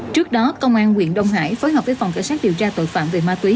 trước đó công an huyện đông hải phối hợp với phòng cảnh sát điều tra tội phạm về ma túy